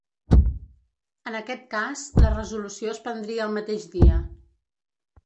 En aquest cas, la resolució es prendria el mateix dia.